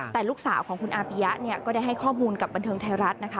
แต่ลูกสาวของคุณอาปิยะเนี่ยก็ได้ให้ข้อมูลกับบันเทิงไทยรัฐนะคะ